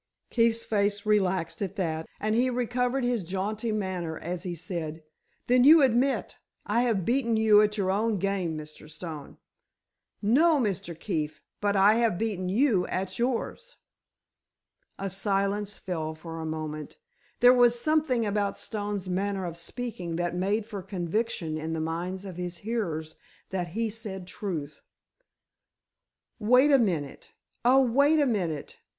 Keefe's face relaxed at that, and he recovered his jaunty manner, as he said: "Then you admit I have beaten you at your own game, Mr. Stone?" "No, Mr. Keefe, but I have beaten you at yours." A silence fell for a moment. There was something about Stone's manner of speaking that made for conviction in the minds of his hearers that he said truth. "Wait a minute! Oh, wait a minute!"